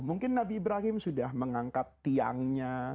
mungkin nabi ibrahim sudah mengangkat tiangnya